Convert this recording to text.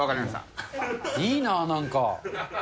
いいなぁ、なんか。